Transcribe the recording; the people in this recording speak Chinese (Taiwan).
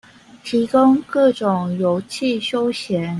提供各種遊憩休閒